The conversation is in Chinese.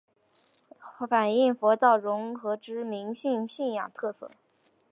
反应佛道融合之民间信仰特色。